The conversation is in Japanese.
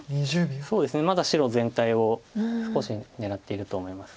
そうですねまだ白全体を少し狙っていると思います。